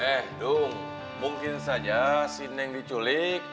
eh dung mungkin saja si neng diculik